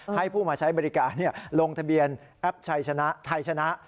ให้ผู้มาใช้บริการลงทะเบียนแอปชัยชนะไทยชนะ